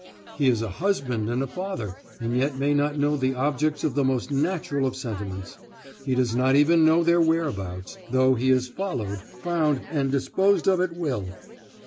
He is a husband and a father, and yet may not know the objects of the most natural of sentiments; he does not even know their whereabouts, though he is followed, found, and disposed of at will.